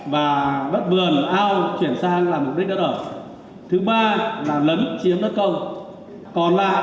và đất vườn ao chuyển sang